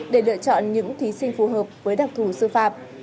để lựa chọn những thí sinh phù hợp với đặc thù sư phạm